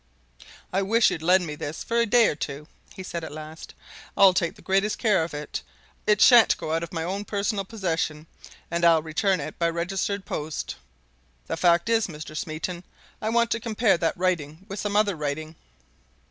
"I wish you'd lend me this for a day or two," he said at last. "I'll take the greatest care of it; it shan't go out of my own personal possession, and I'll return it by registered post. The fact is, Mr. Smeaton, I want to compare that writing with some other writing."